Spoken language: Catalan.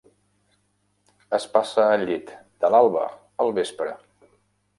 Es passa al llit de l"alba al vespre.